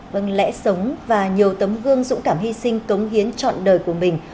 vâng lẽ sống và nhiều tấm gương dũng cảm hy sinh cống hiến trọn đời của mình